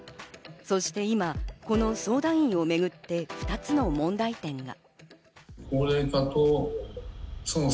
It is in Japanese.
そして今、この相談員をめぐって２つの問題点が。